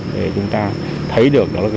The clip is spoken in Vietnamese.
để chúng ta thấy được